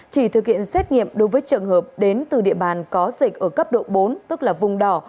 chỉ thực hiện xét nghiệm đối với trường hợp đến từ địa bàn có dịch ở cấp độ bốn tức là vùng đỏ